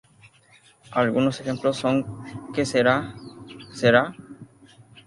Algunos ejemplos son "Que sera sera!